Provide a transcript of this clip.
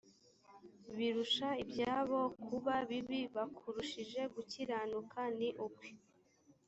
birusha ibyabo kuba bibi bakurushije gukiranuka ni ukwe